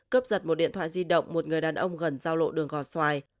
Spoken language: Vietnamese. cướp giật một điện thoại di động một người đàn ông gần giao lộ đường gò xoài